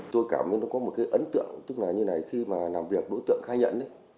tôi cảm thấy nó có một cái ấn tượng tức là như này khi mà làm việc đối tượng khai nhận